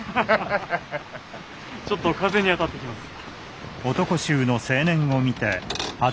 ちょっと風に当たってきます。